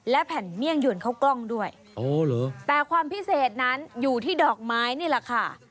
และแผ่นเมี่ยงหยวนเข้ากล้องด้วยอ๋อเหรอแต่ความพิเศษนั้นอยู่ที่ดอกไม้นี่แหละค่ะ